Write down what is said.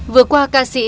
vượt qua ca sĩ